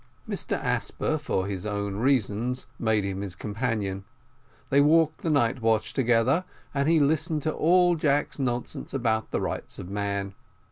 Mr Asper, for his own reasons, made him his companion: they walked the night watch together, and he listened to all Jack's nonsense about the rights of man.